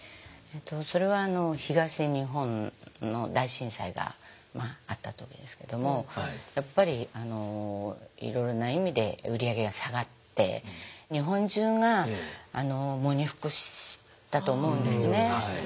それは東日本の大震災があった時ですけどもやっぱりいろいろな意味で売り上げが下がって日本中が喪に服したと思うんですね。